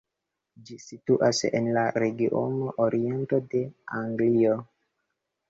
Ĝi situas en la regiono oriento de Anglio.